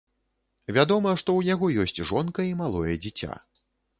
Вядома, што ў яго ёсць жонка і малое дзіця.